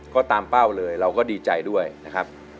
ก็ตามเป้าเลยเราก็ดีใจด้วยนะครับ